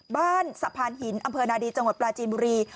สะพานหินอำเภอนาดีจังหวัดปลาจีนบุรี